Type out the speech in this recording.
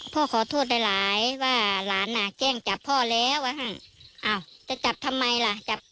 พ่อขอโทษหลายหลายว่าหลานอ่ะแจ้งจับพ่อแล้วอ้าวจะจับทำไมล่ะจับ